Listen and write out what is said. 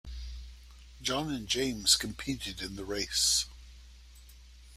John and James competed in the race